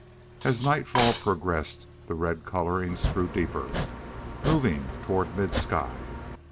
As nightfall progressed, the red colorings grew deeper, moving toward mid sky.